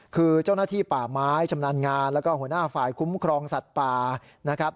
คือเจ้าหน้าที่ป่าไม้ชำนาญงานแล้วก็หัวหน้าฝ่ายคุ้มครองสัตว์ป่านะครับ